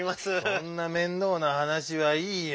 そんな面倒なはなしはいいよ。